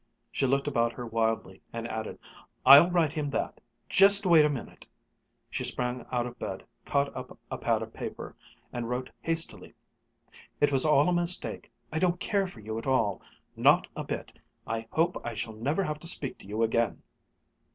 She looked about her wildly, and added, "I'll write him that just wait a minute." She sprang out of bed, caught up a pad of paper, and wrote hastily: "It was all a mistake I don't care for you at all not a bit! I hope I shall never have to speak to you again."